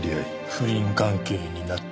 不倫関係になった。